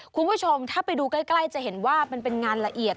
คุณผู้ชมถ้าไปดูใกล้จะเห็นว่ามันเป็นงานละเอียด